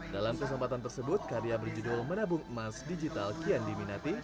dalam kesempatan tersebut karya berjudul menabung emas digital kian diminati